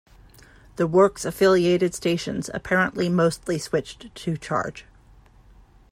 The Works affiliated stations apparently mostly switched to Charge!